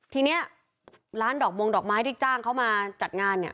ทีนี้ร้านดอกมงดอกไม้ที่จ้างเขามาจัดงานเนี่ย